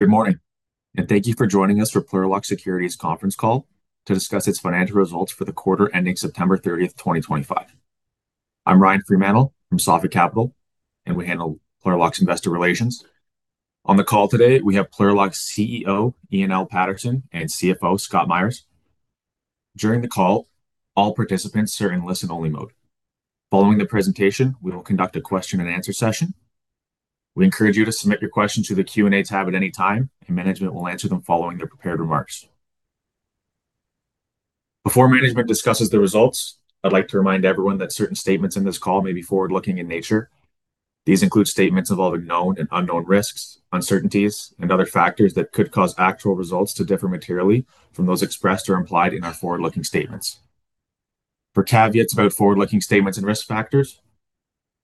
Good morning, and thank you for joining us for Plurilock Security's conference call to discuss its financial results for the quarter ending September 30th, 2025. I'm Ryan Freemantle from Sophic Capital, and we handle Plurilock's investor relations. On the call today, we have Plurilock's CEO, Ian Paterson, and CFO, Scott Meyers. During the call, all participants are in listen-only mode. Following the presentation, we will conduct a question-and-answer session. We encourage you to submit your questions to the Q&A tab at any time, and management will answer them following their prepared remarks. Before management discusses the results, I'd like to remind everyone that certain statements in this call may be forward-looking in nature. These include statements involving known and unknown risks, uncertainties, and other factors that could cause actual results to differ materially from those expressed or implied in our forward-looking statements. For caveats about forward-looking statements and risk factors,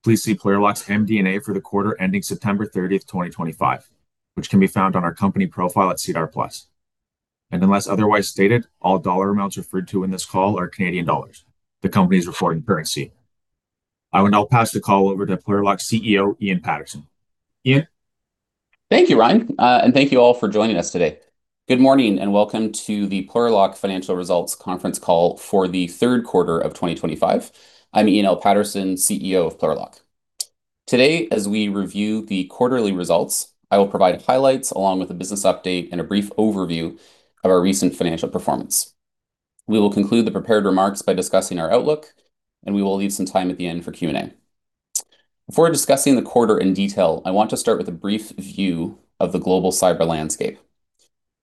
please see Plurilock's MD&A for the quarter ending September 30th, 2025, which can be found on our company profile at SEDAR+. Unless otherwise stated, all dollar amounts referred to in this call are Canadian dollars, the company's reporting currency. I will now pass the call over to Plurilock's CEO, Ian Paterson. Ian. Thank you, Ryan, and thank you all for joining us today. Good morning and welcome to the Plurilock Financial Results Conference Call for the third quarter of 2025. I'm Ian Paterson, CEO of Plurilock. Today, as we review the quarterly results, I will provide highlights along with a business update and a brief overview of our recent financial performance. We will conclude the prepared remarks by discussing our outlook, and we will leave some time at the end for Q&A. Before discussing the quarter in detail, I want to start with a brief view of the global cyber landscape.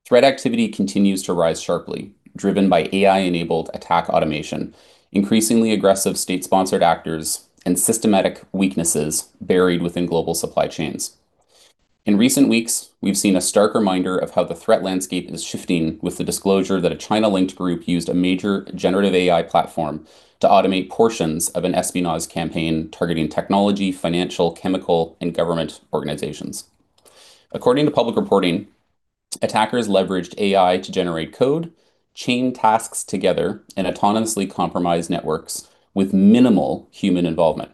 Threat activity continues to rise sharply, driven by AI-enabled attack automation, increasingly aggressive state-sponsored actors, and systematic weaknesses buried within global supply chains. In recent weeks, we've seen a stark reminder of how the threat landscape is shifting with the disclosure that a China-linked group used a major Generative AI platform to automate portions of an espionage campaign targeting technology, financial, chemical, and government organizations. According to public reporting, attackers leveraged AI to generate code, chain tasks together, and autonomously compromise networks with minimal human involvement.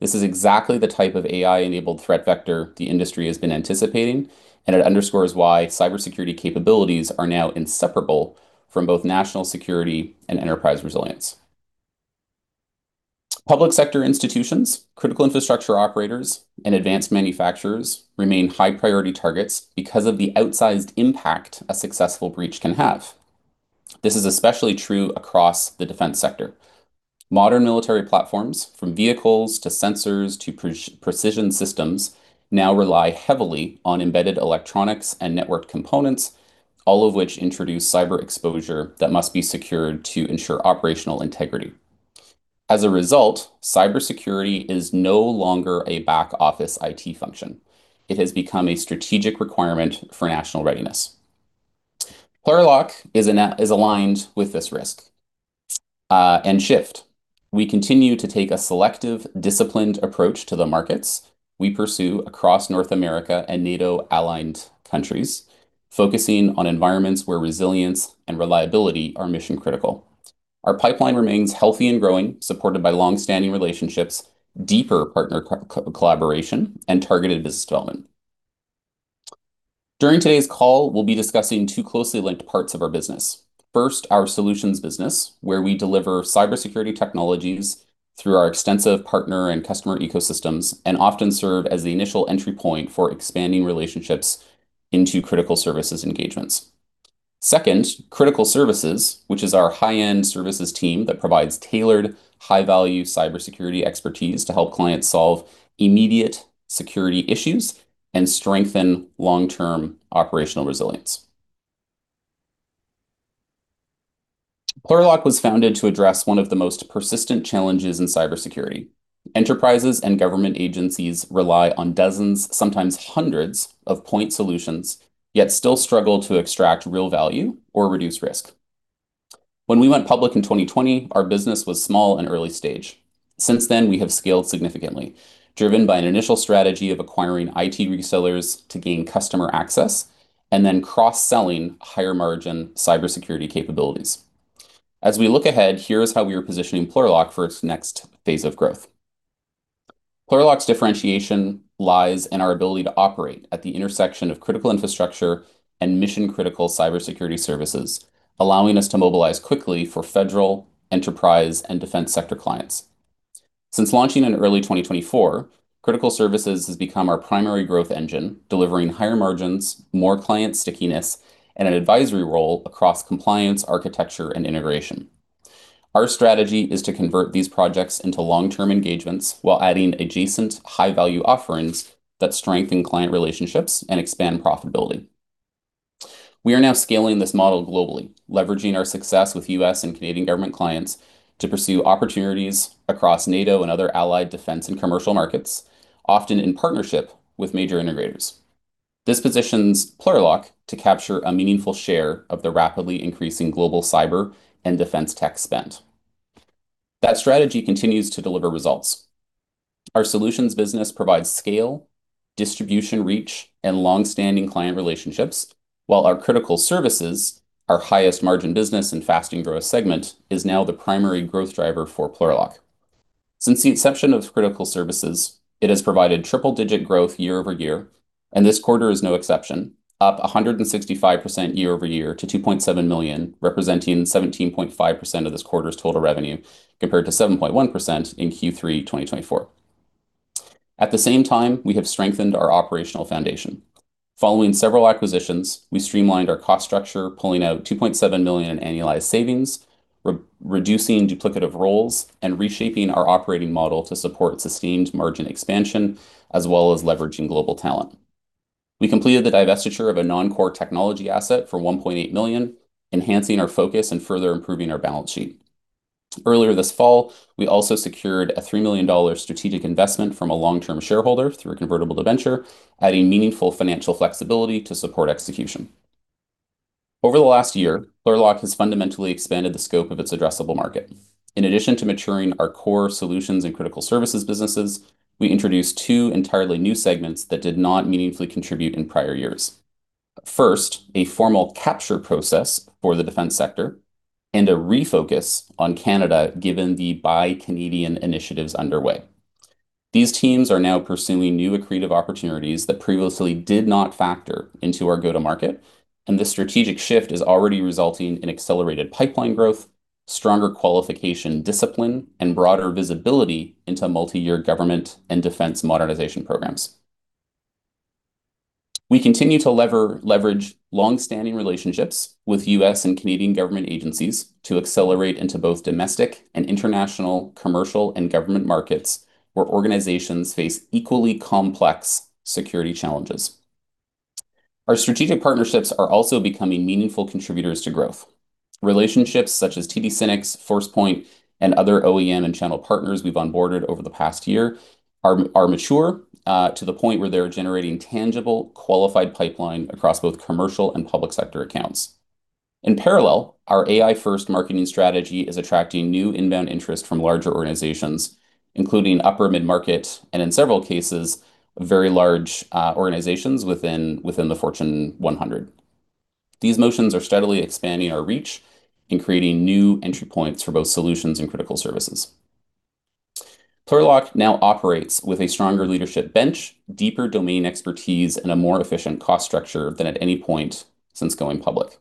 This is exactly the type of AI-enabled threat vector the industry has been anticipating, and it underscores why cybersecurity capabilities are now inseparable from both national security and enterprise resilience. Public sector institutions, critical infrastructure operators, and advanced manufacturers remain high-priority targets because of the outsized impact a successful breach can have. This is especially true across the defense sector. Modern military platforms, from vehicles to sensors to precision systems, now rely heavily on embedded electronics and networked components, all of which introduce cyber exposure that must be secured to ensure operational integrity. As a result, cybersecurity is no longer a back-office IT function. It has become a strategic requirement for national readiness. Plurilock is aligned with this risk and shift. We continue to take a selective, disciplined approach to the markets we pursue across North America and NATO-aligned countries, focusing on environments where resilience and reliability are mission-critical. Our pipeline remains healthy and growing, supported by long-standing relationships, deeper partner collaboration, and targeted business development. During today's call, we'll be discussing two closely linked parts of our business. First, our solutions business, where we deliver cybersecurity technologies through our extensive partner and customer ecosystems and often serve as the initial entry point for expanding relationships into critical services engagements. Second, critical services, which is our high-end services team that provides tailored, high-value cybersecurity expertise to help clients solve immediate security issues and strengthen long-term operational resilience. Plurilock was founded to address one of the most persistent challenges in cybersecurity. Enterprises and government agencies rely on dozens, sometimes hundreds, of point solutions, yet still struggle to extract real value or reduce risk. When we went public in 2020, our business was small and early stage. Since then, we have scaled significantly, driven by an initial strategy of acquiring IT resellers to gain customer access and then cross-selling higher-margin cybersecurity capabilities. As we look ahead, here is how we are positioning Plurilock for its next phase of growth. Plurilock's differentiation lies in our ability to operate at the intersection of critical infrastructure and mission-critical cybersecurity services, allowing us to mobilize quickly for federal, enterprise, and defense sector clients. Since launching in early 2024, critical services has become our primary growth engine, delivering higher margins, more client stickiness, and an advisory role across compliance, architecture, and integration. Our strategy is to convert these projects into long-term engagements while adding adjacent high-value offerings that strengthen client relationships and expand profitability. We are now scaling this model globally, leveraging our success with U.S. and Canadian government clients to pursue opportunities across NATO and other allied defense and commercial markets, often in partnership with major integrators. This positions Plurilock to capture a meaningful share of the rapidly increasing global cyber and defense tech spend. That strategy continues to deliver results. Our solutions business provides scale, distribution reach, and long-standing client relationships, while our critical services, our highest-margin business and fast and growth segment, is now the primary growth driver for Plurilock. Since the inception of critical services, it has provided triple-digit growth year-over-year, and this quarter is no exception, up 165% year-over-year to 2.7 million, representing 17.5% of this quarter's total revenue, compared to 7.1% in Q3 2024. At the same time, we have strengthened our operational foundation. Following several acquisitions, we streamlined our cost structure, pulling out 2.7 million in annualized savings, reducing duplicative roles, and reshaping our operating model to support sustained margin expansion, as well as leveraging global talent. We completed the divestiture of a non-core technology asset for 1.8 million, enhancing our focus and further improving our balance sheet. Earlier this fall, we also secured a 3 million dollar strategic investment from a long-term shareholder through a convertible to venture, adding meaningful financial flexibility to support execution. Over the last year, Plurilock has fundamentally expanded the scope of its addressable market. In addition to maturing our core solutions and critical services businesses, we introduced two entirely new segments that did not meaningfully contribute in prior years. First, a formal capture process for the defense sector and a refocus on Canada given the buy Canadian initiatives underway. These teams are now pursuing new accretive opportunities that previously did not factor into our go-to-market, and this strategic shift is already resulting in accelerated pipeline growth, stronger qualification discipline, and broader visibility into multi-year government and defense modernization programs. We continue to leverage long-standing relationships with U.S. and Canadian government agencies to accelerate into both domestic and international commercial and government markets where organizations face equally complex security challenges. Our strategic partnerships are also becoming meaningful contributors to growth. Relationships such as TD SYNNEX, Forcepoint, and other OEM and channel partners we've onboarded over the past year are mature to the point where they're generating tangible, qualified pipeline across both commercial and public sector accounts. In parallel, our AI-first marketing strategy is attracting new inbound interest from larger organizations, including upper mid-market and, in several cases, very large organizations within the Fortune 100. These motions are steadily expanding our reach and creating new entry points for both solutions and critical services. Plurilock now operates with a stronger leadership bench, deeper domain expertise, and a more efficient cost structure than at any point since going public.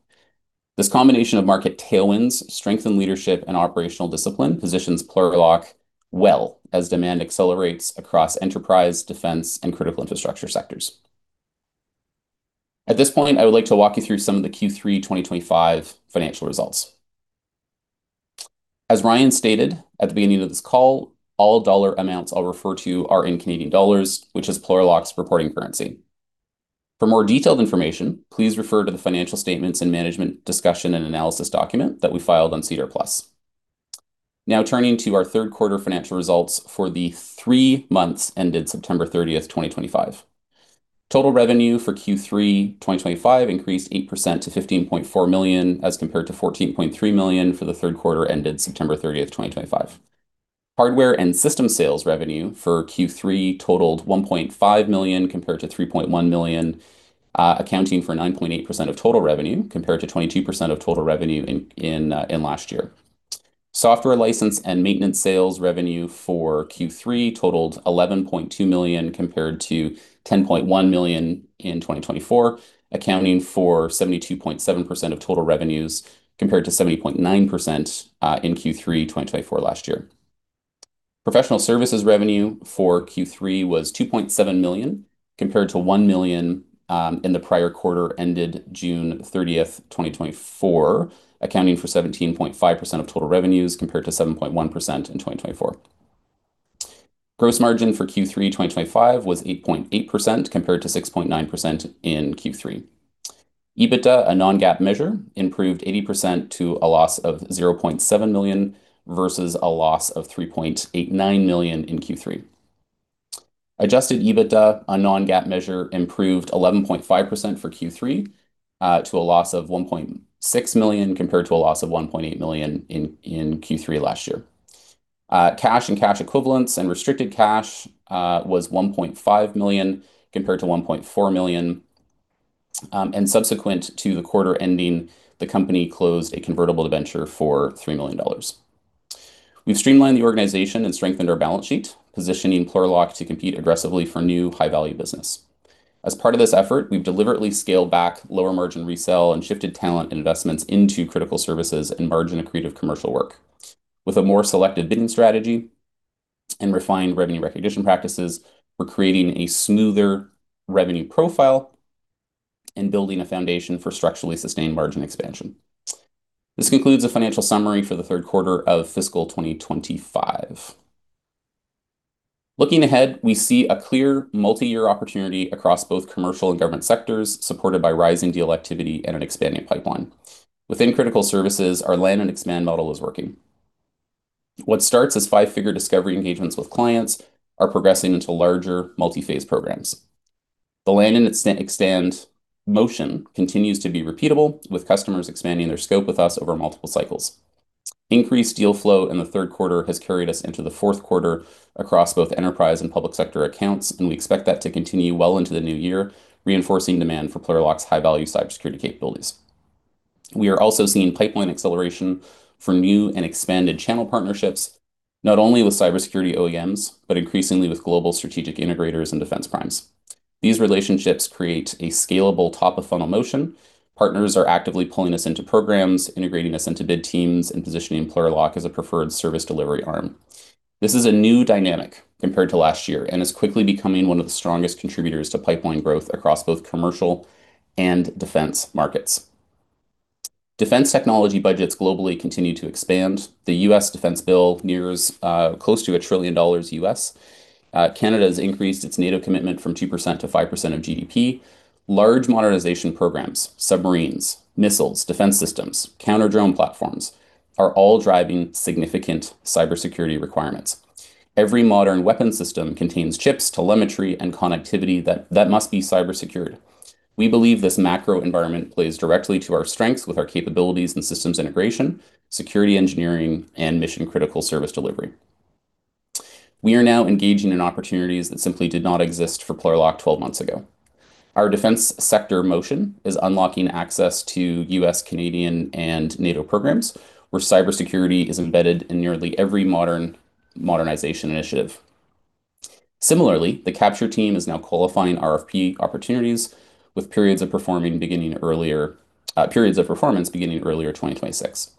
This combination of market tailwinds, strengthened leadership, and operational discipline positions Plurilock well as demand accelerates across enterprise, defense, and critical infrastructure sectors. At this point, I would like to walk you through some of the Q3 2025 financial results. As Ryan stated at the beginning of this call, all dollar amounts I'll refer to are in Canadian dollars, which is Plurilock's reporting currency. For more detailed information, please refer to the financial statements and management discussion and analysis document that we filed on SEDAR+. Now turning to our third quarter financial results for the three months ended September 30th, 2025. Total revenue for Q3 2025 increased 8% to 15.4 million as compared to 14.3 million for the third quarter ended September 30th, 2024. Hardware and system sales revenue for Q3 totaled 1.5 million compared to 3.1 million, accounting for 9.8% of total revenue compared to 22% of total revenue in last year. Software license and maintenance sales revenue for Q3 totaled 11.2 million compared to 10.1 million in 2024, accounting for 72.7% of total revenues compared to 70.9% in Q3 2024 last year. Professional services revenue for Q3 was 2.7 million compared to 1 million in the prior quarter ended June 30th, 2024, accounting for 17.5% of total revenues compared to 7.1% in 2024. Gross margin for Q3 2025 was 8.8% compared to 6.9% in Q3. EBITDA, a non-GAAP measure, improved 80% to a loss of 0.7 million versus a loss of 3.89 million in Q3. Adjusted EBITDA, a non-GAAP measure, improved 11.5% for Q3 to a loss of 1.6 million compared to a loss of 1.8 million in Q3 last year. Cash and cash equivalents and restricted cash was 1.5 million compared to 1.4 million. Subsequent to the quarter ending, the company closed a convertible debenture for 3 million dollars. We have streamlined the organization and strengthened our balance sheet, positioning Plurilock to compete aggressively for new high-value business. As part of this effort, we've deliberately scaled back lower margin resell and shifted talent and investments into critical services and margin accretive commercial work. With a more selective bidding strategy and refined revenue recognition practices, we're creating a smoother revenue profile and building a foundation for structurally sustained margin expansion. This concludes the financial summary for the third quarter of fiscal 2025. Looking ahead, we see a clear multi-year opportunity across both commercial and government sectors supported by rising deal activity and an expanding pipeline. Within critical services, our land and expand model is working. What starts as five-figure discovery engagements with clients are progressing into larger, multi-phase programs. The land and expand motion continues to be repeatable, with customers expanding their scope with us over multiple cycles. Increased deal flow in the third quarter has carried us into the fourth quarter across both enterprise and public sector accounts, and we expect that to continue well into the new year, reinforcing demand for Plurilock's high-value cybersecurity capabilities. We are also seeing pipeline acceleration for new and expanded channel partnerships, not only with cybersecurity OEMs, but increasingly with global strategic integrators and defense primes. These relationships create a scalable top-of-funnel motion. Partners are actively pulling us into programs, integrating us into bid teams, and positioning Plurilock as a preferred service delivery arm. This is a new dynamic compared to last year and is quickly becoming one of the strongest contributors to pipeline growth across both commercial and defense markets. Defense technology budgets globally continue to expand. The U.S. defense bill nears close to 1 trillion dollars. Canada has increased its NATO commitment from 2% to 5% of GDP. Large modernization programs, submarines, missiles, defense systems, counter-drone platforms are all driving significant cybersecurity requirements. Every modern weapon system contains chips, telemetry, and connectivity that must be cybersecured. We believe this macro environment plays directly to our strengths with our capabilities and systems integration, security engineering, and mission-critical service delivery. We are now engaging in opportunities that simply did not exist for Plurilock 12 months ago. Our defense sector motion is unlocking access to U.S., Canadian, and NATO programs where cybersecurity is embedded in nearly every modern modernization initiative. Similarly, the capture team is now qualifying RFP opportunities with periods of performance beginning early 2026.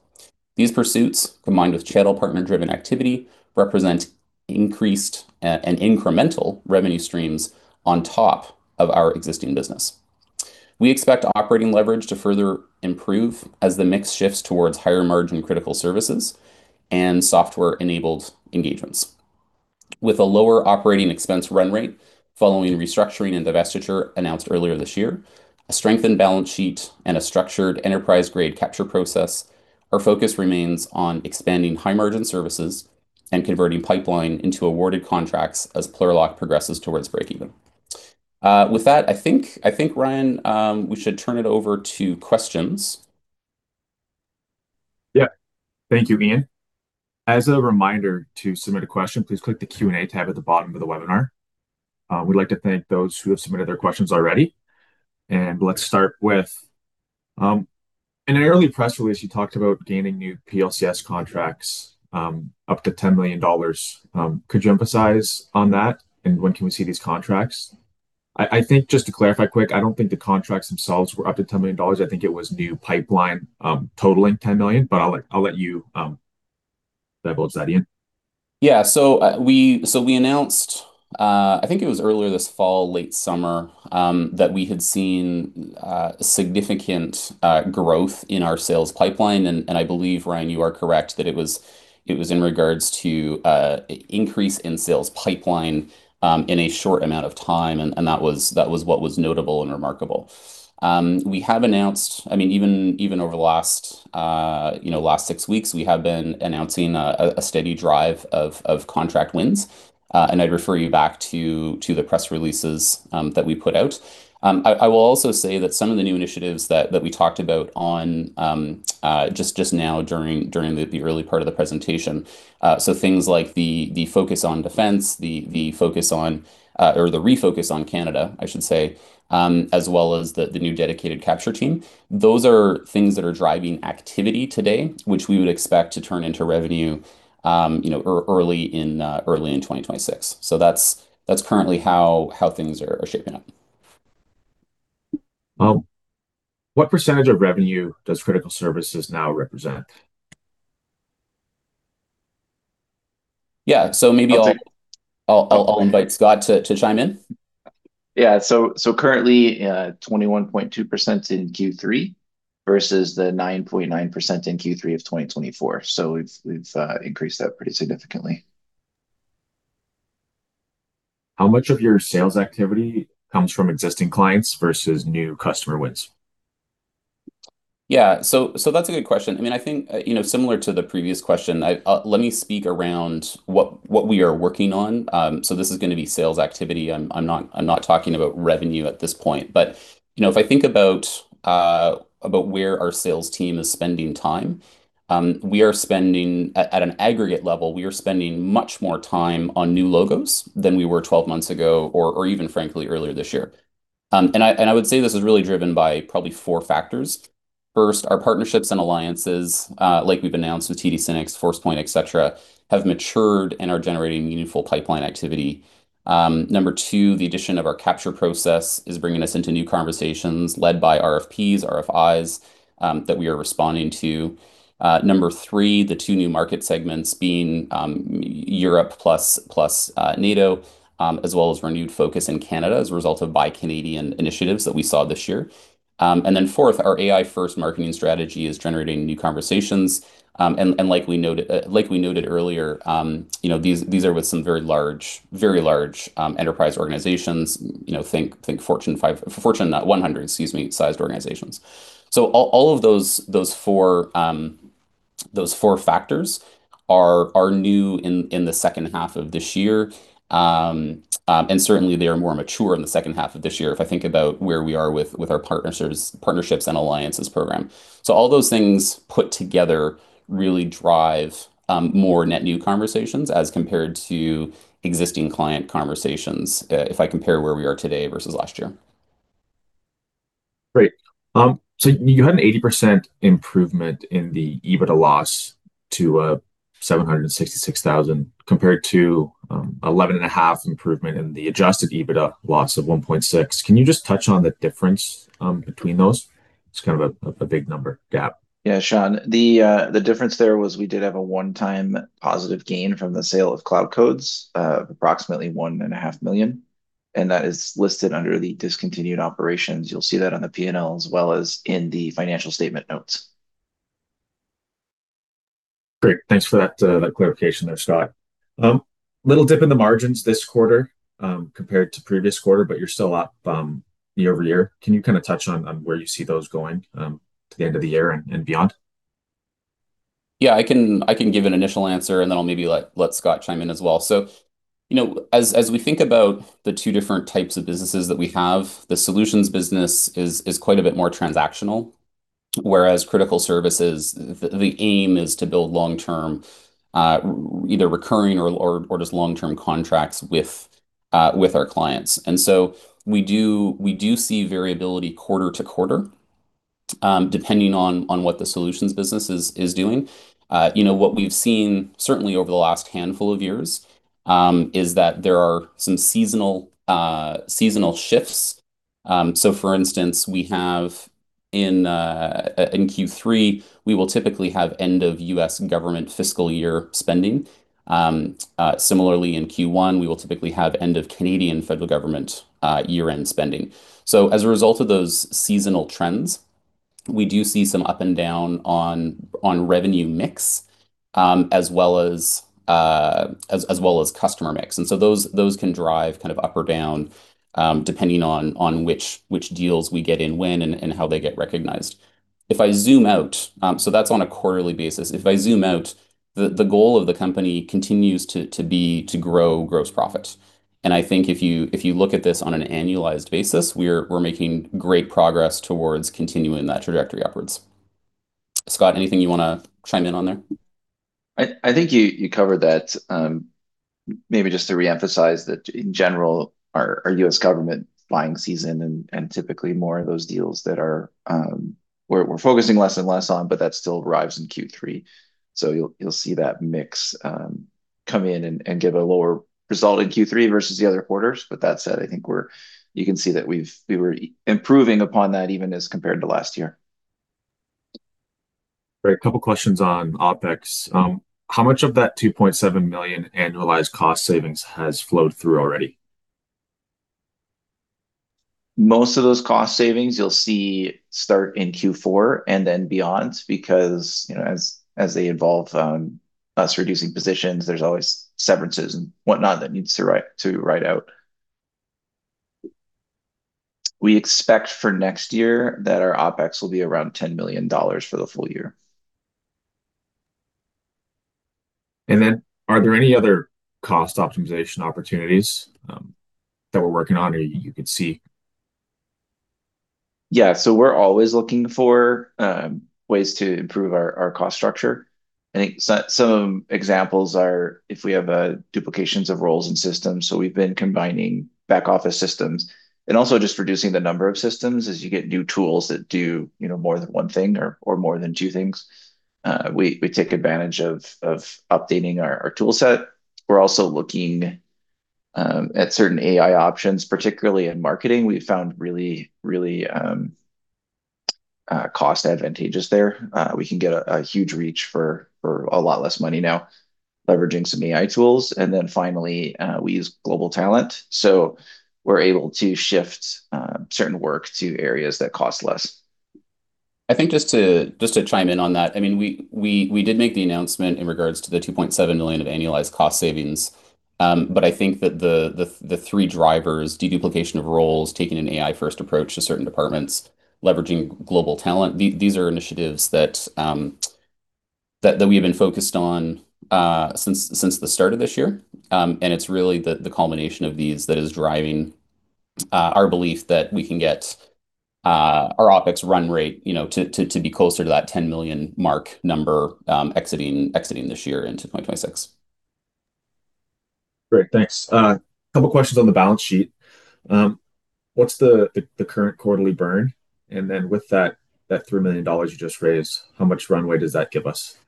These pursuits, combined with channel partner-driven activity, represent increased and incremental revenue streams on top of our existing business. We expect operating leverage to further improve as the mix shifts towards higher margin critical services and software-enabled engagements. With a lower operating expense run rate following restructuring and divestiture announced earlier this year, a strengthened balance sheet, and a structured enterprise-grade capture process, our focus remains on expanding high-margin services and converting pipeline into awarded contracts as Plurilock progresses towards breakeven. With that, I think, Ryan, we should turn it over to questions. Yeah. Thank you, Ian. As a reminder to submit a question, please click the Q&A tab at the bottom of the webinar. We'd like to thank those who have submitted their questions already. Let's start with, in an early press release, you talked about gaining new PLCS contracts up to 10 million dollars. Could you emphasize on that, and when can we see these contracts? I think, just to clarify quick, I don't think the contracts themselves were up to 10 million dollars. I think it was new pipeline totaling 10 million, but I'll let you divulge that, Ian. Yeah. We announced, I think it was earlier this fall, late summer, that we had seen significant growth in our sales pipeline. I believe, Ryan, you are correct that it was in regards to an increase in sales pipeline in a short amount of time, and that was what was notable and remarkable. We have announced, I mean, even over the last six weeks, we have been announcing a steady drive of contract wins. I'd refer you back to the press releases that we put out. I will also say that some of the new initiatives that we talked about just now during the early part of the presentation, so things like the focus on defense, the focus on, or the refocus on Canada, I should say, as well as the new dedicated capture team, those are things that are driving activity today, which we would expect to turn into revenue early in 2026. That is currently how things are shaping up. What percentage of revenue does critical services now represent? Yeah. Maybe I'll invite Scott to chime in. Yeah. Currently, 21.2% in Q3 versus 9.9% in Q3 of 2024. We have increased that pretty significantly. How much of your sales activity comes from existing clients versus new customer wins? Yeah. That is a good question. I mean, I think similar to the previous question, let me speak around what we are working on. This is going to be sales activity. I'm not talking about revenue at this point. If I think about where our sales team is spending time, we are spending at an aggregate level, we are spending much more time on new logos than we were 12 months ago or even, frankly, earlier this year. I would say this is really driven by probably four factors. First, our partnerships and alliances, like we've announced with TD SYNNEX, Forcepoint, etc., have matured and are generating meaningful pipeline activity. Number two, the addition of our capture process is bringing us into new conversations led by RFPs, RFIs that we are responding to. Number three, the two new market segments being Europe plus NATO, as well as renewed focus in Canada as a result of buy Canadian initiatives that we saw this year. Fourth, our AI-first marketing strategy is generating new conversations. Like we noted earlier, these are with some very large enterprise organizations. Think Fortune 100, excuse me, sized organizations. All of those four factors are new in the second half of this year. Certainly, they are more mature in the second half of this year if I think about where we are with our partnerships and alliances program. All those things put together really drive more net new conversations as compared to existing client conversations if I compare where we are today versus last year. Great. You had an 80% improvement in the EBITDA loss to 766,000 compared to 11.5% improvement in the adjusted EBITDA loss of 1.6%. Can you just touch on the difference between those? It's kind of a big number gap. Yeah, Sean. The difference there was we did have a one-time positive gain from the sale of CloudCodes of approximately 1.5 million. That is listed under the discontinued operations. You'll see that on the P&L as well as in the financial statement notes. Great. Thanks for that clarification there, Scott. Little dip in the margins this quarter compared to previous quarter, but you're still up year-over-year. Can you kind of touch on where you see those going to the end of the year and beyond? Yeah. I can give an initial answer, and then I'll maybe let Scott chime in as well. As we think about the two different types of businesses that we have, the solutions business is quite a bit more transactional, whereas critical services, the aim is to build long-term, either recurring or just long-term contracts with our clients. We do see variability quarter to quarter depending on what the solutions business is doing. What we've seen, certainly over the last handful of years, is that there are some seasonal shifts. For instance, in Q3, we will typically have end-of-U.S. government fiscal year spending. Similarly, in Q1, we will typically have end-of-Canadian federal government year-end spending. As a result of those seasonal trends, we do see some up and down on revenue mix as well as customer mix. Those can drive kind of up or down depending on which deals we get in when and how they get recognized. If I zoom out, so that's on a quarterly basis. If I zoom out, the goal of the company continues to be to grow gross profits. I think if you look at this on an annualized basis, we're making great progress towards continuing that trajectory upwards. Scott, anything you want to chime in on there? I think you covered that. Maybe just to reemphasize that, in general, our U.S. government buying season and typically more of those deals that we're focusing less and less on, but that still arrives in Q3. You will see that mix come in and give a lower result in Q3 versus the other quarters. That said, I think you can see that we were improving upon that even as compared to last year. Great. A couple of questions on OpEx. How much of that 2.7 million annualized cost savings has flowed through already? Most of those cost savings you'll see start in Q4 and then beyond because as they involve us reducing positions, there's always severances and whatnot that needs to ride out. We expect for next year that our OpEx will be around 10 million dollars for the full year. Are there any other cost optimization opportunities that we're working on or you could see? Yeah. We're always looking for ways to improve our cost structure. I think some examples are if we have duplications of roles and systems. We've been combining back-office systems and also just reducing the number of systems as you get new tools that do more than one thing or more than two things. We take advantage of updating our toolset. We're also looking at certain AI options, particularly in marketing. We've found really, really cost advantageous there. We can get a huge reach for a lot less money now leveraging some AI tools. Finally, we use global talent. We are able to shift certain work to areas that cost less. I think just to chime in on that, I mean, we did make the announcement in regards to the 2.7 million of annualized cost savings. I think that the three drivers, deduplication of roles, taking an AI-first approach to certain departments, leveraging global talent, these are initiatives that we have been focused on since the start of this year. It is really the culmination of these that is driving our belief that we can get our OpEx run rate to be closer to that 10 million mark number exiting this year into 2026. Great. Thanks. A couple of questions on the balance sheet. What is the current quarterly burn? With that 3 million dollars you just raised, how much runway does that give us?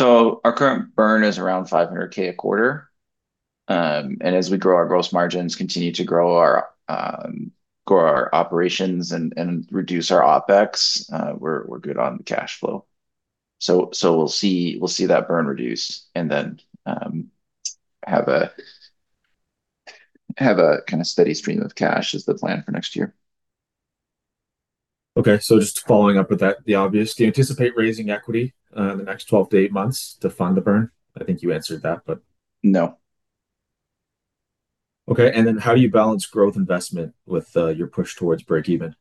Our current burn is around 500,000 a quarter. As we grow our gross margins, continue to grow our operations, and reduce our OpEx, we are good on the cash flow. We will see that burn reduce and then have a kind of steady stream of cash is the plan for next year. Okay. Just following up with that, the obvious, do you anticipate raising equity in the next 12-18 months to fund the burn? I think you answered that, but. No. How do you balance growth investment with your push towards breakeven?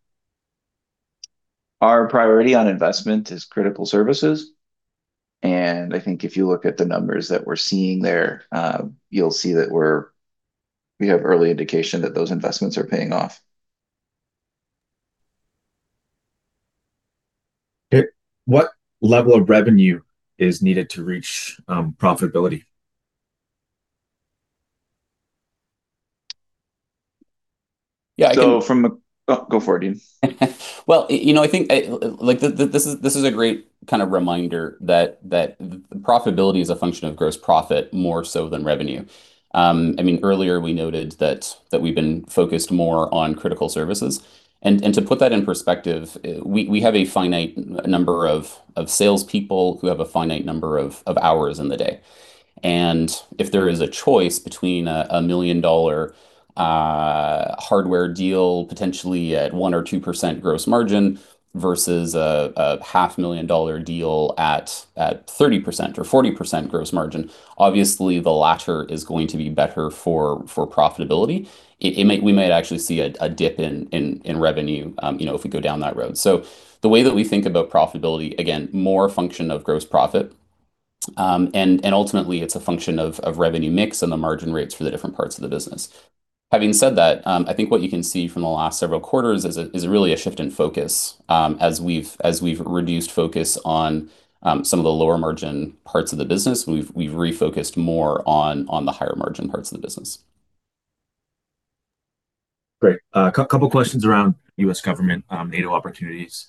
Our priority on investment is critical services. I think if you look at the numbers that we are seeing there, you will see that we have early indication that those investments are paying off. What level of revenue is needed to reach profitability? Yeah. From the go for it, Ian. I think this is a great kind of reminder that profitability is a function of gross profit more so than revenue. I mean, earlier, we noted that we've been focused more on critical services. To put that in perspective, we have a finite number of salespeople who have a finite number of hours in the day. If there is a choice between a 1,000,000 dollar hardware deal potentially at 1% or 2% gross margin versus a 500,000 dollar deal at 30% or 40% gross margin, obviously, the latter is going to be better for profitability. We might actually see a dip in revenue if we go down that road. The way that we think about profitability, again, is more a function of gross profit. Ultimately, it's a function of revenue mix and the margin rates for the different parts of the business. Having said that, I think what you can see from the last several quarters is really a shift in focus. As we've reduced focus on some of the lower margin parts of the business, we've refocused more on the higher margin parts of the business. Great. A couple of questions around U.S. government NATO opportunities.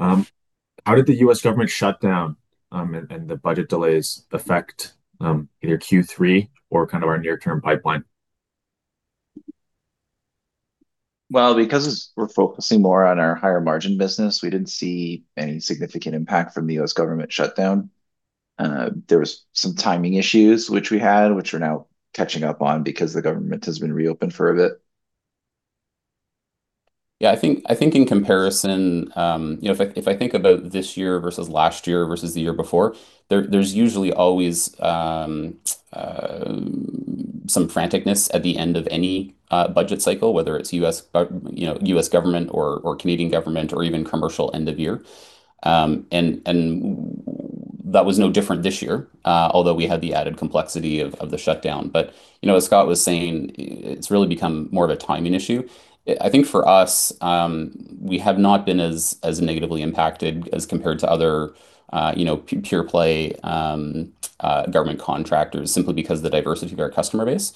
How did the U.S. government shutdown and the budget delays affect either Q3 or kind of our near-term pipeline? Because we're focusing more on our higher margin business, we didn't see any significant impact from the U.S. government shutdown. There were some timing issues which we had, which we're now catching up on because the government has been reopened for a bit. Yeah. I think in comparison, if I think about this year versus last year versus the year before, there's usually always some franticness at the end of any budget cycle, whether it's U.S. government or Canadian government or even commercial end of year. That was no different this year, although we had the added complexity of the shutdown. As Scott was saying, it's really become more of a timing issue. I think for us, we have not been as negatively impacted as compared to other pure-play government contractors simply because of the diversity of our customer base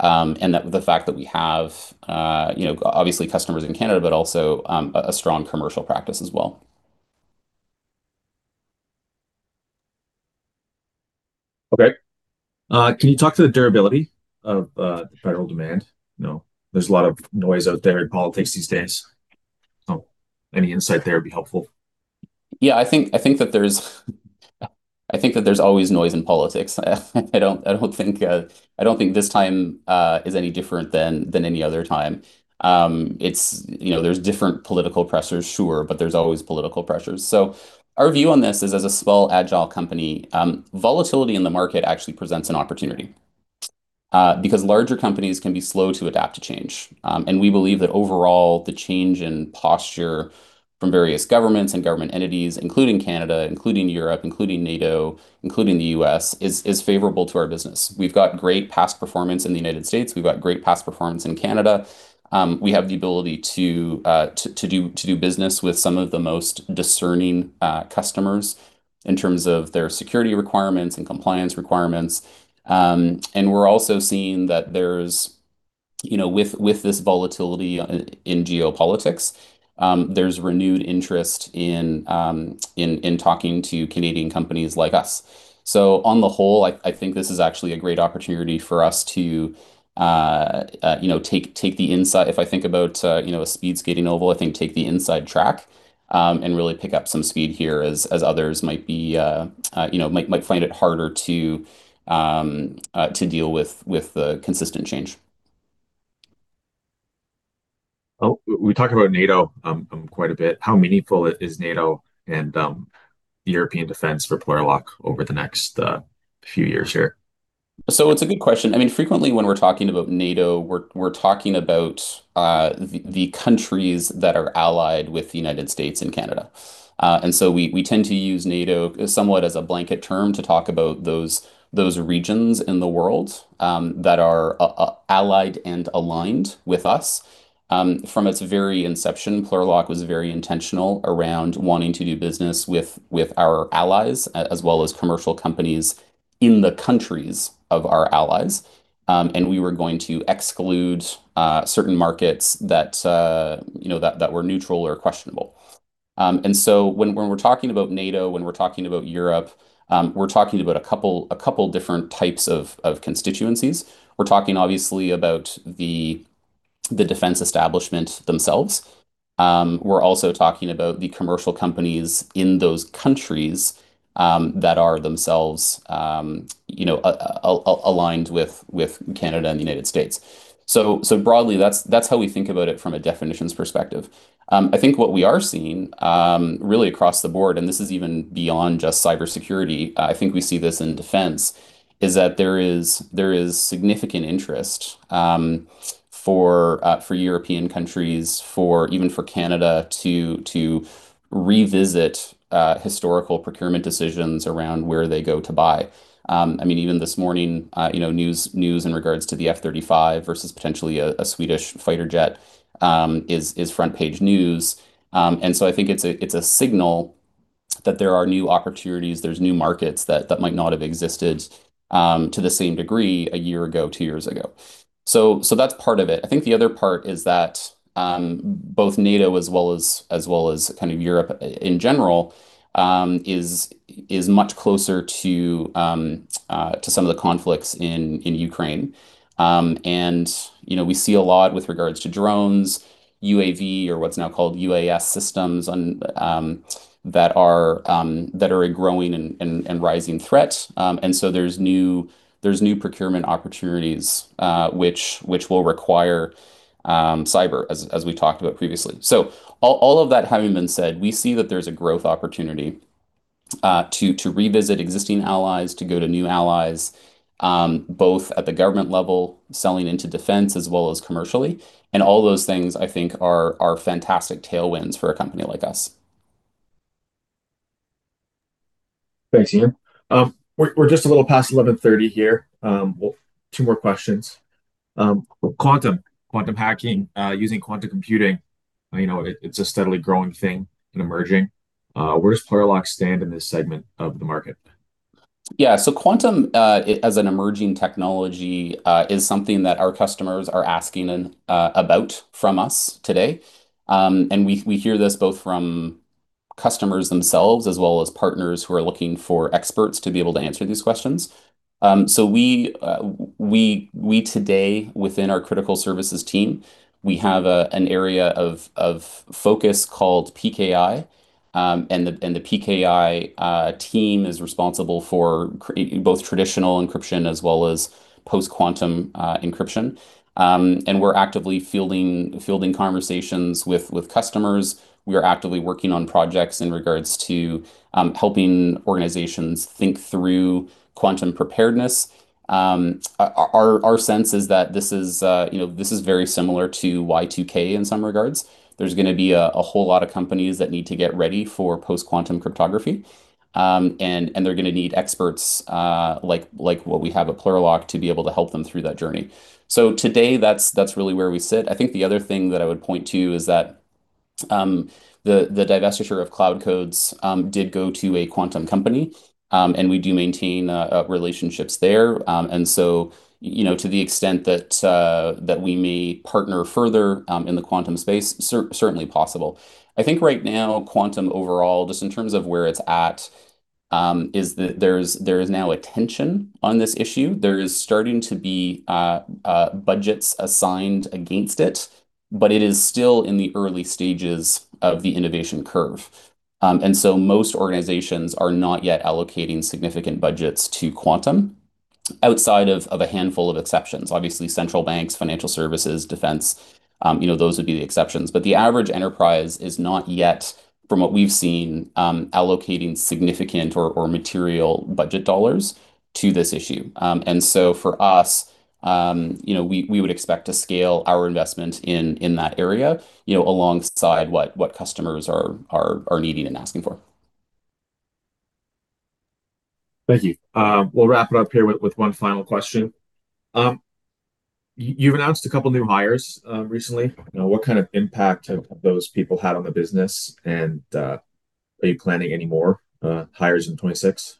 and the fact that we have obviously customers in Canada, but also a strong commercial practice as well. Okay. Can you talk to the durability of the federal demand? There's a lot of noise out there in politics these days. Any insight there would be helpful. Yeah. I think that there's always noise in politics. I don't think this time is any different than any other time. There's different political pressures, sure, but there's always political pressures. Our view on this is as a small agile company, volatility in the market actually presents an opportunity because larger companies can be slow to adapt to change. We believe that overall, the change in posture from various governments and government entities, including Canada, including Europe, including NATO, including the U.S., is favorable to our business. We've got great past performance in the United States. We've got great past performance in Canada. We have the ability to do business with some of the most discerning customers in terms of their security requirements and compliance requirements. We're also seeing that with this volatility in geopolitics, there's renewed interest in talking to Canadian companies like us. On the whole, I think this is actually a great opportunity for us to take the insight. If I think about a speed skating oval, I think take the inside track and really pick up some speed here as others might find it harder to deal with the consistent change. We talk about NATO quite a bit. How meaningful is NATO and European defense for Plurilock over the next few years here? It's a good question. I mean, frequently when we're talking about NATO, we're talking about the countries that are allied with the United States and Canada. We tend to use NATO somewhat as a blanket term to talk about those regions in the world that are allied and aligned with us. From its very inception, Plurilock was very intentional around wanting to do business with our allies as well as commercial companies in the countries of our allies. We were going to exclude certain markets that were neutral or questionable. When we are talking about NATO, when we are talking about Europe, we are talking about a couple of different types of constituencies. We are talking, obviously, about the defense establishment themselves. We are also talking about the commercial companies in those countries that are themselves aligned with Canada and the United States. Broadly, that is how we think about it from a definitions perspective. I think what we are seeing really across the board, and this is even beyond just cybersecurity, I think we see this in defense, is that there is significant interest for European countries, even for Canada, to revisit historical procurement decisions around where they go to buy. I mean, even this morning, news in regards to the F-35 versus potentially a Swedish fighter jet is front-page news. I think it's a signal that there are new opportunities, there's new markets that might not have existed to the same degree a year ago, two years ago. That's part of it. I think the other part is that both NATO as well as kind of Europe in general is much closer to some of the conflicts in Ukraine. We see a lot with regards to drones, UAV, or what's now called UAS systems that are a growing and rising threat. There's new procurement opportunities which will require cyber, as we talked about previously. All of that having been said, we see that there's a growth opportunity to revisit existing allies, to go to new allies, both at the government level, selling into defense as well as commercially. All those things, I think, are fantastic tailwinds for a company like us. Thanks, Ian. We're just a little past 11:30 here. Two more questions. Quantum. Quantum hacking, using quantum computing. It's a steadily growing thing and emerging. Where does Plurilock stand in this segment of the market? Yeah. Quantum as an emerging technology is something that our customers are asking about from us today. We hear this both from customers themselves as well as partners who are looking for experts to be able to answer these questions. We today, within our critical services team, have an area of focus called PKI. The PKI team is responsible for both traditional encryption as well as post-quantum encryption. We're actively fielding conversations with customers. We are actively working on projects in regards to helping organizations think through quantum preparedness. Our sense is that this is very similar to Y2K in some regards. There's going to be a whole lot of companies that need to get ready for post-quantum cryptography. They're going to need experts like what we have at Plurilock to be able to help them through that journey. Today, that's really where we sit. I think the other thing that I would point to is that the divestiture of CloudCodes did go to a quantum company. We do maintain relationships there. To the extent that we may partner further in the quantum space, certainly possible. I think right now, quantum overall, just in terms of where it's at, is that there is now attention on this issue. There is starting to be budgets assigned against it, but it is still in the early stages of the innovation curve. Most organizations are not yet allocating significant budgets to quantum outside of a handful of exceptions. Obviously, central banks, financial services, defense, those would be the exceptions. The average enterprise is not yet, from what we've seen, allocating significant or material budget dollars to this issue. For us, we would expect to scale our investment in that area alongside what customers are needing and asking for. Thank you. We'll wrap it up here with one final question. You've announced a couple of new hires recently. What kind of impact have those people had on the business? Are you planning any more hires in 2026?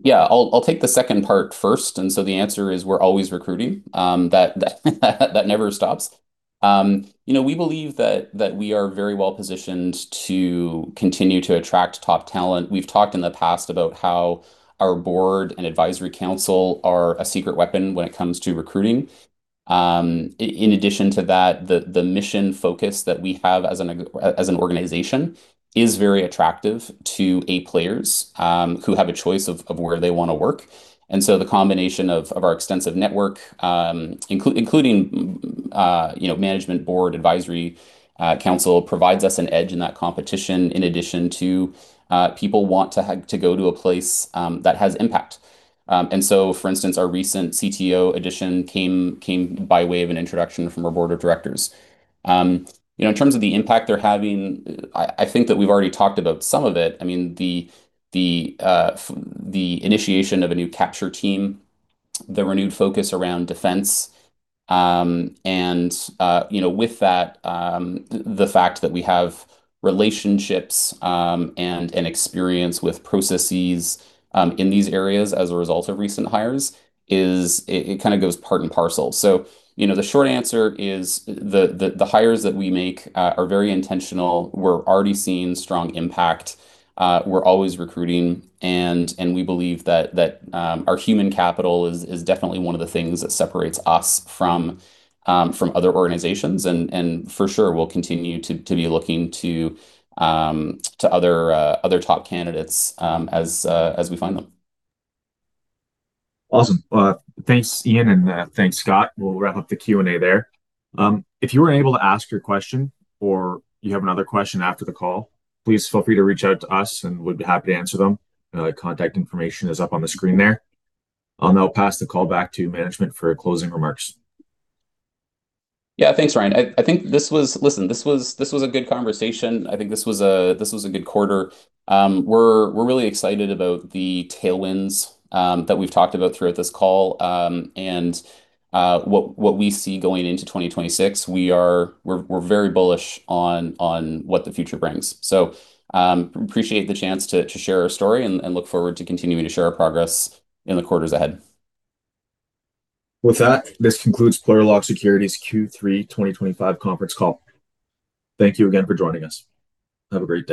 Yeah. I'll take the second part first. The answer is we're always recruiting. That never stops. We believe that we are very well positioned to continue to attract top talent. We've talked in the past about how our board and advisory council are a secret weapon when it comes to recruiting. In addition to that, the mission focus that we have as an organization is very attractive to A players who have a choice of where they want to work. The combination of our extensive network, including management, board, advisory council, provides us an edge in that competition in addition to people wanting to go to a place that has impact. For instance, our recent CTO addition came by way of an introduction from our board of directors. In terms of the impact they're having, I think that we've already talked about some of it. I mean, the initiation of a new capture team, the renewed focus around defense. With that, the fact that we have relationships and experience with processes in these areas as a result of recent hires kind of goes part and parcel. The short answer is the hires that we make are very intentional. We're already seeing strong impact. We're always recruiting. We believe that our human capital is definitely one of the things that separates us from other organizations. For sure, we'll continue to be looking to other top candidates as we find them. Awesome. Thanks, Ian, and thanks, Scott. We'll wrap up the Q&A there. If you were not able to ask your question or you have another question after the call, please feel free to reach out to us, and we would be happy to answer them. Contact information is up on the screen there. I will now pass the call back to management for closing remarks. Yeah. Thanks, Ryan. I think this was, listen, this was a good conversation. I think this was a good quarter. We are really excited about the tailwinds that we have talked about throughout this call. What we see going into 2026, we are very bullish on what the future brings. Appreciate the chance to share our story and look forward to continuing to share our progress in the quarters ahead. With that, this concludes Plurilock Security's Q3 2025 conference call. Thank you again for joining us. Have a great day.